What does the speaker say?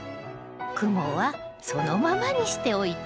クモはそのままにしておいて。